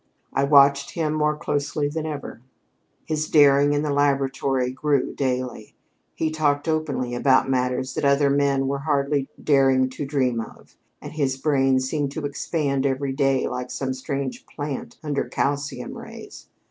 I watched him more closely than ever. His daring in the laboratory grew daily. He talked openly about matters that other men were hardly daring to dream of, and his brain seemed to expand every day like some strange plant under calcium rays.